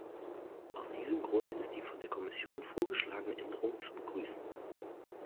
Aus diesem Grund ist die von der Kommission vorgeschlagene Änderung zu begrüßen.